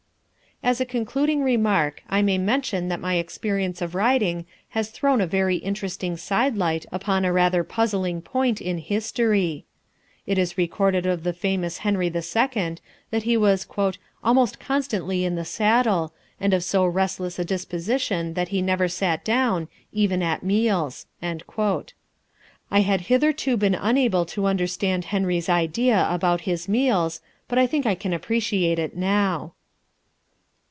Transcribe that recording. As a concluding remark, I may mention that my experience of riding has thrown a very interesting sidelight upon a rather puzzling point in history. It is recorded of the famous Henry the Second that he was "almost constantly in the saddle, and of so restless a disposition that he never sat down, even at meals." I had hitherto been unable to understand Henry's idea about his meals, but I think I can appreciate it now.